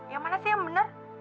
yang mana sih yang benar